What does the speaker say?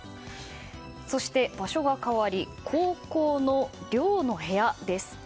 そして場所が変わり高校の寮の部屋です。